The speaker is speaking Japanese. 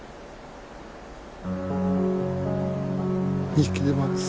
２匹出ます。